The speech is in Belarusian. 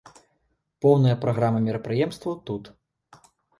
Поўная праграма мерапрыемстваў тут.